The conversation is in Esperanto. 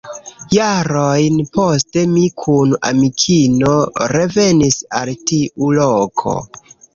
Jarojn poste mi kun amikino revenis al tiu loko.